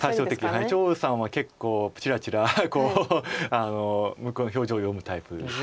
張栩さんは結構ちらちら向こうの表情を読むタイプ。